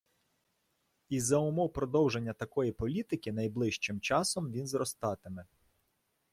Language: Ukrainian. І за умов продовження такої політики найближчим часом він зростатиме.